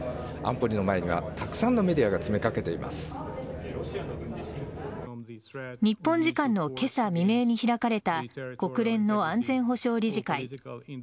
安保理の前にはたくさんのメディアが日本時間の今朝未明に開かれた国連の安全保障理事会。